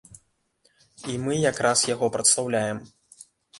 І мы якраз яго прадастаўляем.